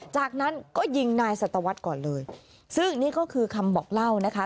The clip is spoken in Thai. จากนั้นก็ยิงนายสัตวรรษก่อนเลยซึ่งนี่ก็คือคำบอกเล่านะคะ